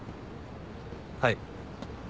はい。